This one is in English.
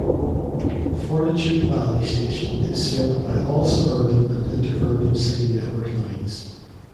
Fortitude Valley station is served by all suburban and interurban City network lines.